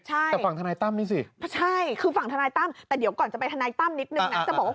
ใช่คือฝั่งธนายตั้มแต่เดี๋ยวก่อนจะไปธนายตั้มนิดนึงนะจะบอกว่า